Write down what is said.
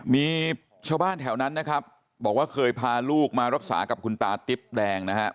มีชาวบ้านแถวนั้นนะครับบอกว่าเคยพาลูกมารักษากับคุณตาติ๊บแดงนะฮะ